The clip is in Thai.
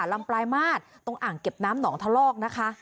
ลำปลายมาตรตรงอ่างเก็บน้ำหนองทะลอกนะคะ